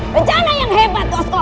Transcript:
rencana yang hebat tu askol